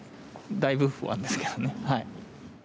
だいぶ不安ですけどね。